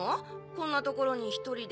こんな所に１人で。